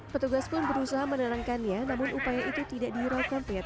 pemuda itu juga berusaha menerangkannya namun upaya itu tidak dihiraukan